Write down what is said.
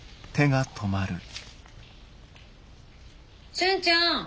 俊ちゃん。